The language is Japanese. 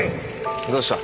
どうした？